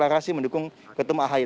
yang ketumum ahi